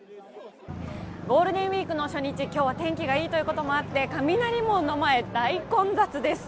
ゴールデンウイークの初日今日は天気がいいということもあって雷門の前、大混雑です。